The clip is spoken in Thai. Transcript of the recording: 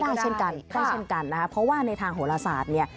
ได้เช่นกันนะครับเพราะว่าในทางโหลศาสตร์เนี่ย